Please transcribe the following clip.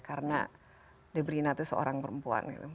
karena debrina itu seorang perempuan